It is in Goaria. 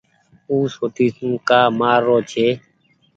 او سوٽي سون ڪآ مآر رو ڇي۔